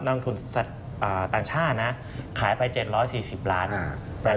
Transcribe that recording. ลงทุนต่างชาตินะขายไป๗๔๐ล้าน